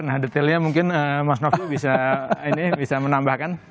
nah detailnya mungkin mas nova bisa menambahkan